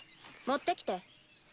持ってきて。